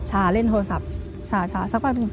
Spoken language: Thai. ชาเล่นโทรศัพท์